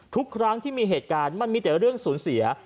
ทุกครั้งที่มีเหตุการณ์มันมีแต่เรื่องสูญเสีย